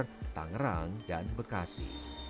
seperti bogor tangerang dan bekasi